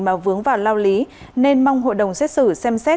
mà vướng vào lao lý nên mong hội đồng xét xử xem xét